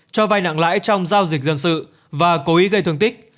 cho vai nặng lãi trong giao dịch dân sự và cố ý gây thương tích